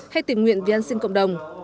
hay tìm nguyện viên an sinh cộng đồng